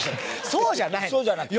そうじゃないの！